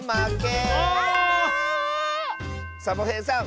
サボへいさん